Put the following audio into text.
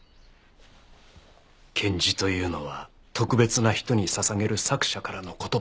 献辞というのは特別な人に捧げる作者からの言葉です。